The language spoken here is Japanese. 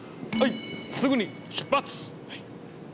いすぐに出発！